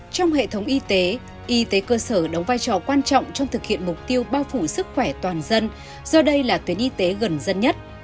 trong hệ thống y tế y tế cơ sở đóng vai trò quan trọng trong thực hiện mục tiêu bao phủ sức khỏe toàn dân do đây là tuyến y tế gần dân nhất